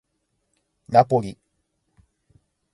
ナポリ